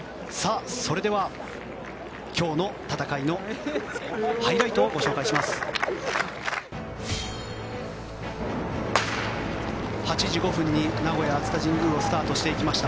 それでは今日の戦いのハイライトをご紹介します。